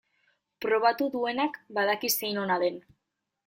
Probatu duenak badaki zein ona den.